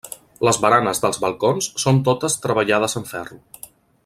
Les baranes dels balcons són totes treballades en ferro.